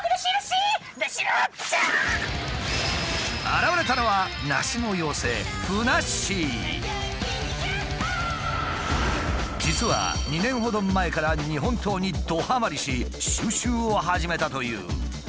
現れたのは実は２年ほど前から日本刀にどハマりし収集を始めたという。